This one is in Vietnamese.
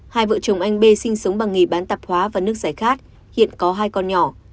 hai vợ chồng anh b sinh sống bằng nghề bán tạp hóa và nước giải khát hiện có hai con nhỏ